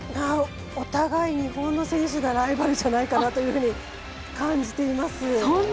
お互い日本の選手がライバルじゃないかなと感じています。